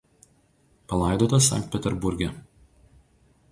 Palaidotas Sankt Peterburge.